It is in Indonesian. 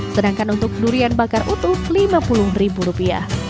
sedangkan untuk durian bakar utuh lima puluh rupiah